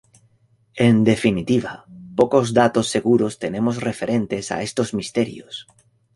En definitiva, pocos datos seguros tenemos referentes a estos misterios.